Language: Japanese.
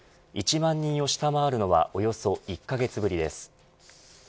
１万人を下回るのはおよそ１カ月ぶりです。